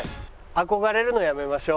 憧れるのやめましょう。